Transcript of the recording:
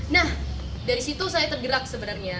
nah dari situ saya tergerak sebenarnya